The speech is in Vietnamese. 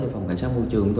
phòng cảnh sát môi trường